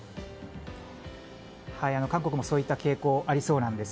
韓国もそういった傾向がありそうなんです。